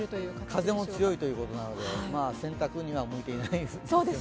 風も強いということなので洗濯には向いていないですね。